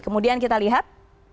kemudian kita lihat